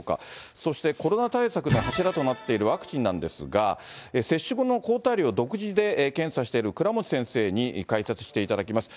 そして、コロナ対策の柱となっているワクチンなんですが、接種後の抗体量を独自で検査している倉持先生に解説していただきます。